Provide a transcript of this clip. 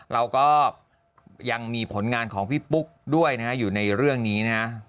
เราก็ยังมีผลงานของพี่ปุ๊กด้วยนะฮะอยู่ในเรื่องนี้นะฮะ